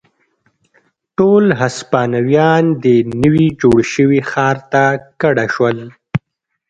ټول هسپانویان دې نوي جوړ شوي ښار ته کډه شول.